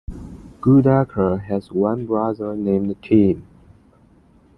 Goodacre has one brother named Tim.